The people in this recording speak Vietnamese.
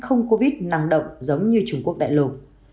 không covid nặng động giống như trung quốc đại lục